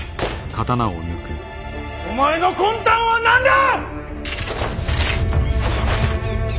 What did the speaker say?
お前の魂胆は何だ！